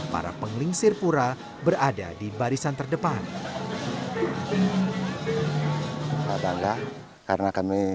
para pengelingsir pura berada di barisan terdepan